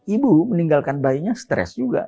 ibu meninggalkan bayinya stres juga